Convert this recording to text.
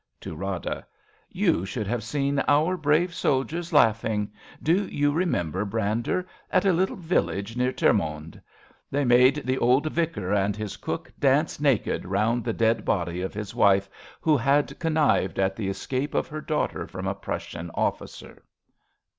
{To Rada) You should have seen our^ brave soldiers laughing — do you remember, Brander — at a little village near Ter monde. They made the old vicar and c 17 RADA his cook dance naked round the dead body of his wife, who had connived at the escape of her daughter from a Prussian officer.